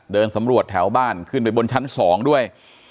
เดินสำรวจแถวบ้านขึ้นไปบนชั้น๒ด้วย